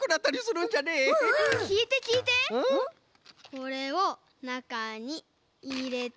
これをなかにいれて。